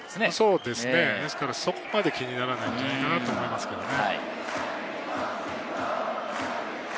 そうですね、そこまで気にならないんじゃないかと思いますね。